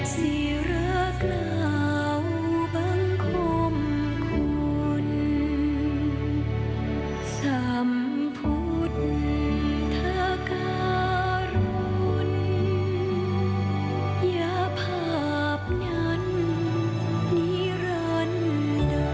ที่รักเหล่าบังคมคุณสัมพุทธการุณอย่าภาพนั้นนิรรณเดิม